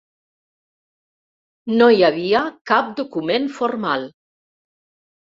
No hi havia cap document formal.